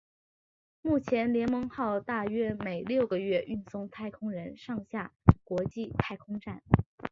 目前联盟号大约每六个月运送太空人上下国际太空站。